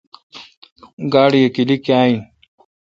گاڑی اے کیلی کاں این۔